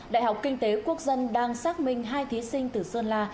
đại học kinh tế quốc dân đang xác minh hai thí sinh từ sơn la